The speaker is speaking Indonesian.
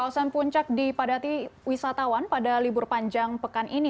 kawasan puncak dipadati wisatawan pada libur panjang pekan ini